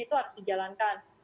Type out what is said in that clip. itu harus dijalankan